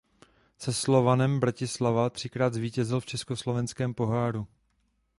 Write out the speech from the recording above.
Se Slovanem Bratislava třikrát zvítězil v Československém poháru.